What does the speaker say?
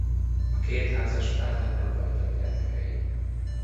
A két házaspárnak nem voltak gyermekei.